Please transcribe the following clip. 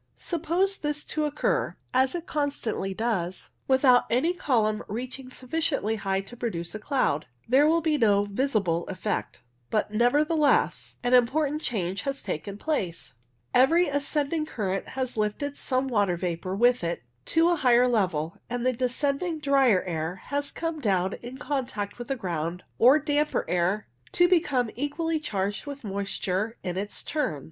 Suppose this to occur, as it constantly does, without any column reaching sufficiently high to produce a cloud. There will be no visible effect, but, nevertheless, an ASCENT OF VAPOUR 125 important change has taken place. Every ascend ing current has lifted some water vapour with it to a higher level, and the descending drier air has come down in contact with the ground or damper air to become equally charged with moisture in its turn.